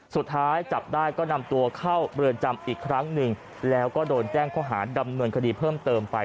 สุดท้ายจับได้ก็นำตัวเข้าเรือนจำอีกครั้งหนึ่งแล้วก็โดนแจ้งข้อหาดำเนินคดีเพิ่มเติมไป